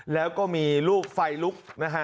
แล้วก็มีลูกไฟลุก